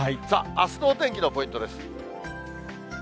さあ、あすのお天気のポイントです。